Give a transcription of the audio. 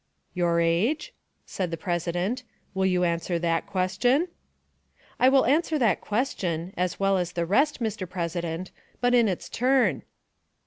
"Your age?" said the president; "will you answer that question?" "I will answer that question, as well as the rest, Mr. President, but in its turn."